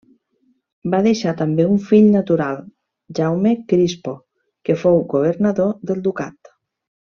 Va deixar també un fill natural, Jaume Crispo que fou governador del ducat.